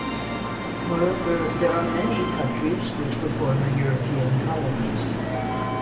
Moreover, there are many countries which were former European colonies.